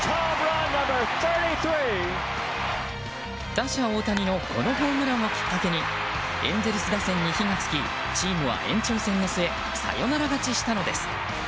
打者・大谷のこのホームランをきっかけにエンゼルス打線に火が付きチームは延長戦の末サヨナラ勝ちしたのです。